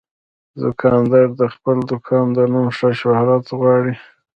دوکاندار د خپل دوکان د نوم ښه شهرت غواړي.